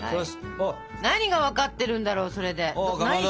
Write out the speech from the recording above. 何が分かってるんだろうそれで。